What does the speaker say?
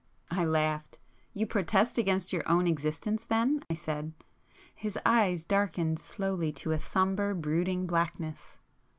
I laughed. "You protest against your own existence then!" I said. His eyes darkened slowly to a sombre brooding blackness.